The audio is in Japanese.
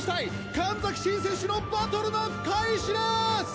神崎シン選手のバトルの開始です！